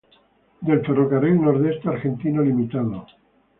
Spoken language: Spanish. Del Ferrocarril Nordeste Argentino Limitado.